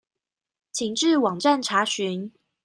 請至網站查詢